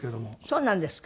そうなんですか？